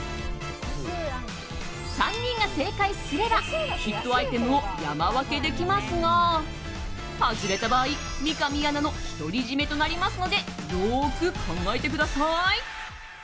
３人が正解すればヒットアイテムを山分けできますが外れた場合、三上アナの独り占めとなりますのでよく考えてください。